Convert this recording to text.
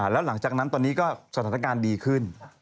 แล้วหลังจากนั้นตอนนี้ก็สถานการณ์ดีขึ้น